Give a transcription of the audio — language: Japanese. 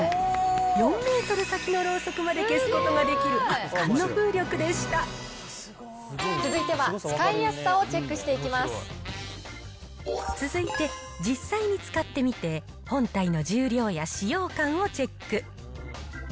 ４メートル先のろうそくまで消すことができる、続いては使いやすさをチェッ続いて、実際に使ってみて、本体の重量や使用感をチェック。